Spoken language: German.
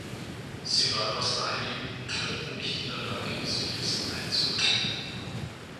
Sie waren aus naheliegenden Gründen nicht in der Lage, diese Fristen einzuhalten.